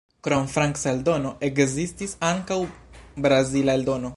Krom franca eldono, ekzistis ankaŭ brazila eldono.